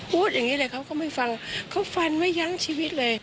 พูดอย่างนี้เลยเขาก็ไม่ฟังเขาฟันไว้ยั้งชีวิตเลย